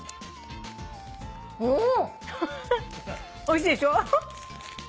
おいしいでしょ？